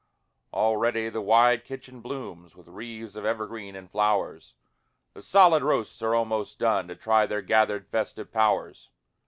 Already the wide kitchen blooms With wreaths of evergreens and flowers, The solid roasts are almost done, To try their gathered festive powers.